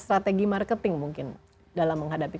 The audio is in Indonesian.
strategi marketing mungkin dalam menghadapi